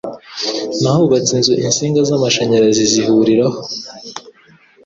n'ahubatse inzu insinga z'amashanyarazi zihuriraho,